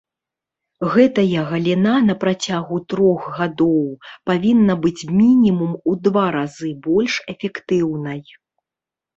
Гэтая галіна на працягу трох гадоў павінна быць мінімум у два разы больш эфектыўнай.